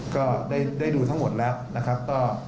ก็ได้ดูทั้งหมดแล้วนะครับ